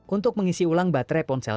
untuk mengisi ulang baterai ponsel